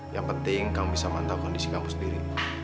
yang penting kamu bisa mantau kondisi kamu sendiri